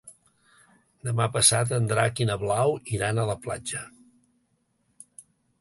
Demà passat en Drac i na Blau iran a la platja.